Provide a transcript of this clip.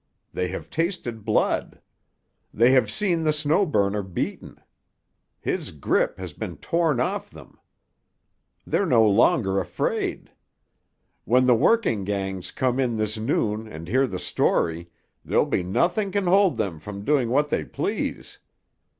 They have tasted blood. They have seen the Snow Burner beaten. His grip has been torn off them. They're no longer afraid. When the working gangs come in this noon and hear the story there'll be nothing can hold them from doing what they please.